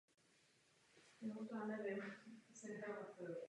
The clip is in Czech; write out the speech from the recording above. Je částí národní rekreační oblasti Glen Canyon.